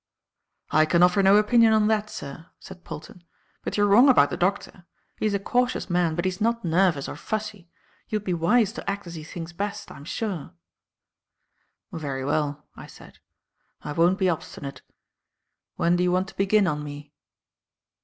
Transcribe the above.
"I can offer no opinion on that, sir," said Polton; "but you're wrong about the Doctor. He is a cautious man but he is not nervous or fussy. You would be wise to act as he thinks best, I am sure." "Very well," I said; "I won't be obstinate. When do you want to begin on me?"